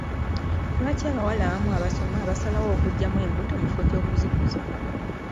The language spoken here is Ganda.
Lwaki abawala abamu abasoma basalawo okuggyamu embuto mu kifo ky'okuzikuza?